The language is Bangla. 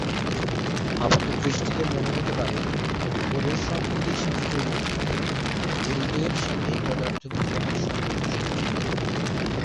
আপাতদৃষ্টিতে মনে হতে পারে উপরের সবগুলি শাস্ত্রের মধ্যে গণিতের সাথেই পদার্থবিজ্ঞানের সম্পর্ক সবচেয়ে নিবিড়।